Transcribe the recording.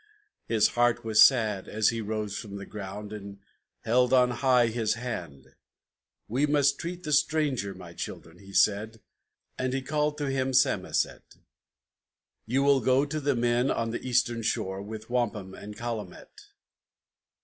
His heart was sad as he rose from the ground And held on high his hand. "We must treat with the stranger, my children," he said, And he called to him Samoset: "You will go to the men on the Eastern Shore With wampum and calumet."